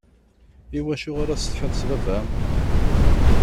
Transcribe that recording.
Iwacu ara tessetḥiḍ s baba-m?